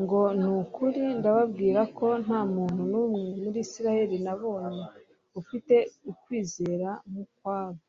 ngo : "Ni ukuri ndababwira ko nta muntu n'umwe mu Isirayeli nabonye ufite ukwizera nk'ukwa bo"